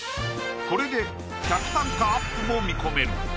これで客単価アップも見込める！